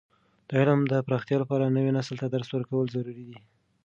د علم د پراختیا لپاره، نوي نسل ته درس ورکول ضروري دي.